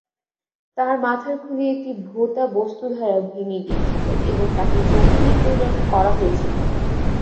তার মাথার খুলি একটি ভোঁতা বস্তু দ্বারা ভেঙে গিয়েছিল এবং তাকে যৌন নিপীড়ন করা হয়েছিল।